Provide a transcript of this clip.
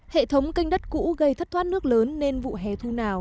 hệ thống canh đất cũ gây thất thoát nước lớn nên vụ hè thu nào